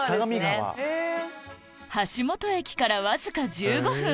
橋本駅からわずか１５分